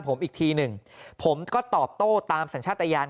ผมอีกทีหนึ่งผมก็ตอบโต้ตามสัญชาติยาน